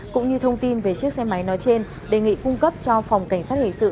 cũng như thông tin về chiếc xe máy nói trên đề nghị cung cấp cho phòng cảnh sát hình sự